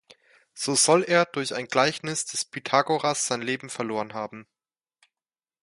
So soll er durch ein Gleichnis des Pythagoras sein Leben verloren haben.